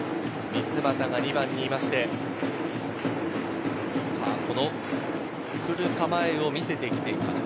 三ツ俣が２番にいて送る構えを見せてきています。